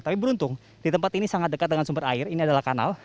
tapi beruntung di tempat ini sangat dekat dengan sumber air ini adalah kanal